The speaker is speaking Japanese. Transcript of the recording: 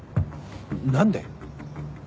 何で？